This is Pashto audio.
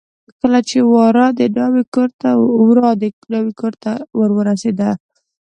کله چې ورا د ناوې کورته ور ورسېده.